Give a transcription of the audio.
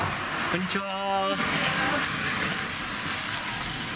こんにちは。